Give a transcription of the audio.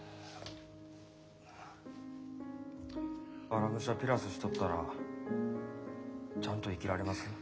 「荒武者ピラス」しとったらちゃんと生きられます？